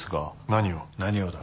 「何をだ」